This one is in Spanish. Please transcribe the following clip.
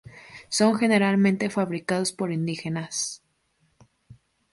Son generalmente fabricados por indígenas.